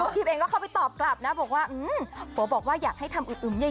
คลิปเองก็เข้าไปตอบกลับนะแบบว่าโอ้คอบบอกว่าอยากให้ทำอึ๋มใหญ่อะ